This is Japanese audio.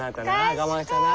我慢したな。